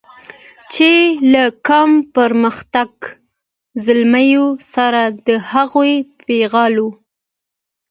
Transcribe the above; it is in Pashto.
چې له کم پرمختګه زلمیو سره د هغو پیغلو